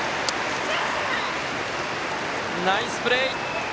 ナイスプレー。